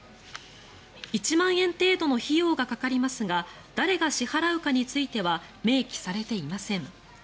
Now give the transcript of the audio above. １万円程度の費用がかかりますが誰が支払うかについては明記されていません。